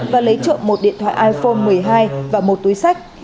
và lấy trộm một điện thoại iphone một mươi hai và một túi sách